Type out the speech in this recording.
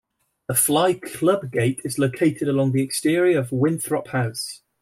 The Fly Club Gate is located along the exterior of Winthrop House.